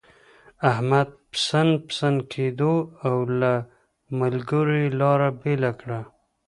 احمد پسن پسن کېدو، او له ملګرو يې لاره بېله کړه.